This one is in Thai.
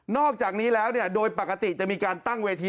อกจากนี้แล้วโดยปกติจะมีการตั้งเวที